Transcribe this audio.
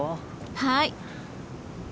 はい！